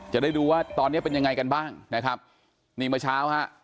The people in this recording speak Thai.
จะได้ดูว่าตอนนี้เป็นยังไงกันบ้างนะครับนี่เมื่อเช้าฮะ